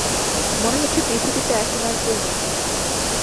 মনে হচ্ছে পৃথিবীতে এখন আর কেউ নেই।